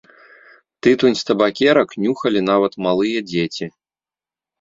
Тытунь з табакерак нюхалі нават малыя дзеці.